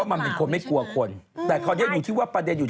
อย่าลืมว่ามันเป็นคนไม่กลัวคนแต่เขาจะอยู่ที่ว่าประเด็นอยู่